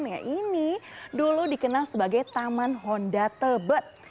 ya ini dulu dikenal sebagai taman honda tebet